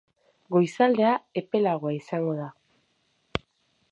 Goizaldea epelagoa izango da.